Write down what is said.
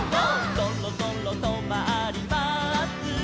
「そろそろとまります」